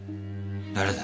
誰だ？